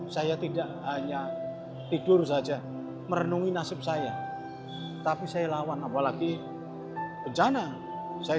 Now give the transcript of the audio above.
saya tidak hanya tidur saja merenungi nasib saya tapi saya lawan apalagi bencana saya